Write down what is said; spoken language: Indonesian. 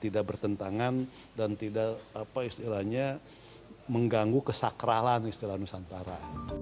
dan juga mengganggu kesakralan istilah nusantara